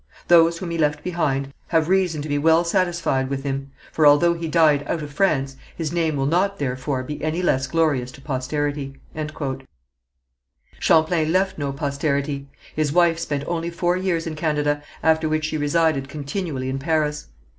Those whom he left behind have reason to be well satisfied with him; for although he died out of France, his name will not therefore be any less glorious to posterity." Champlain left no posterity. His wife spent only four years in Canada, after which she resided continually in Paris.